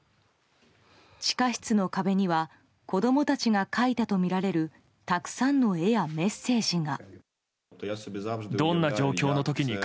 地下室の壁には子供たちが書いたとみられるたくさんの絵やメッセージが。